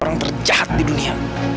orang terjahat di dunia